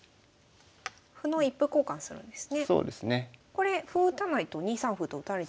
これ歩打たないと２三歩と打たれちゃうので。